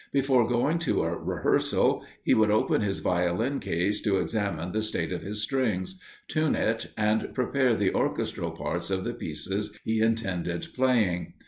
Before going to a rehearsal, he would open his Violin case to examine the state of his strings, tune it, and prepare the orchestral parts of the pieces he intended playing.